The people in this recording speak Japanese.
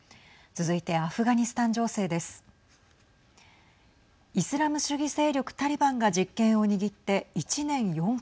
続いてアフガニスタン情勢です。